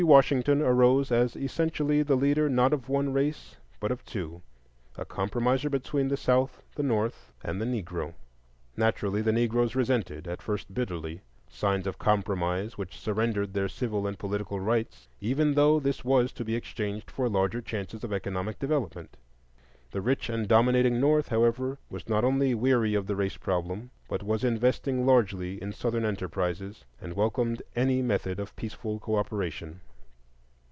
Washington arose as essentially the leader not of one race but of two,—a compromiser between the South, the North, and the Negro. Naturally the Negroes resented, at first bitterly, signs of compromise which surrendered their civil and political rights, even though this was to be exchanged for larger chances of economic development. The rich and dominating North, however, was not only weary of the race problem, but was investing largely in Southern enterprises, and welcomed any method of peaceful cooperation.